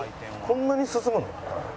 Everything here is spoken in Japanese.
こんなに進むの？